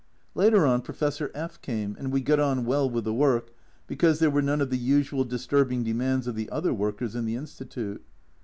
Later on Professor F came, and we got on well with the work, because there were none of the usual disturbing demands of the other workers in the Institute.